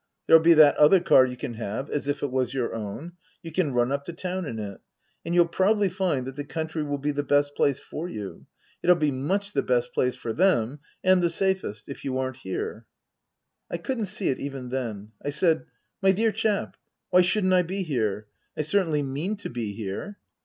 There'll be that other car you can have as if it was your own. You can run up to town in it. And you'll probably find that the country will be the best place for you. It'll be much the best place for them, and the safest if you aren't here." I couldn't see it even then. I said, " My dear chap, why shouldn't I be here ? I certainly mean to be here."